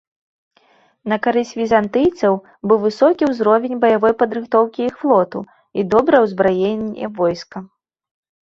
На карысць візантыйцаў быў высокі ўзровень баявой падрыхтоўкі іх флоту і добрае ўзбраенне войска.